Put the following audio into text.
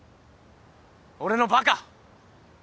俺のバカ！